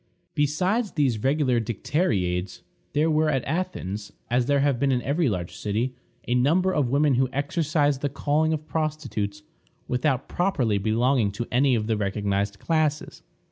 " Besides these regular dicteriades, there were at Athens, as there have been in every large city, a number of women who exercised the calling of prostitutes, without properly belonging to any of the recognized classes.